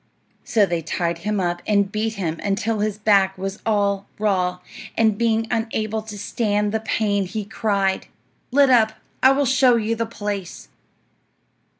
So they tied him up and beat him until his back was all raw, and being unable to stand the pain he cried, "Let up! I will show you the place."